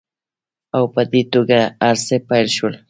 او په دې توګه هرڅه پیل شول